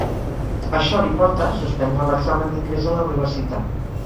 Això li porta a suspendre l'examen d'ingrés a la universitat.